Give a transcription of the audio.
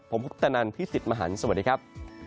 ผมพบตนันพิสิทธิ์มหานสวัสดีครับ